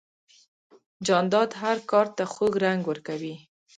جانداد هر کار ته خوږ رنګ ورکوي.